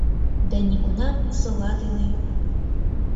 Да нигунам сола дене